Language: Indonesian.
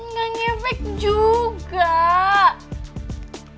nggak ngefek jugaaa